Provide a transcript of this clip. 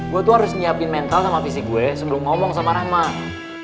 gue tuh harus nyiapin mental sama fisik gue sebelum ngomong sama rahman